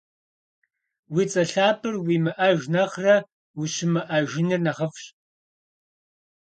Уи цIэ лъапIэр уимыIэж нэхърэ ущымыIэжыныр нэхъыфIщ.